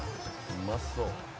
「うまそう」